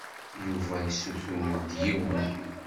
Yuba yessuter-d yiwen.